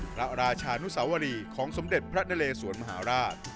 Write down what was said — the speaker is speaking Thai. พระราชานุสวรีของสมเด็จพระนเลสวนมหาราช